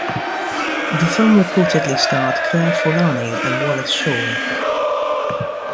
The film reportedly starred Claire Forlani and Wallace Shawn.